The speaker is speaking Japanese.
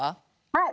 はい。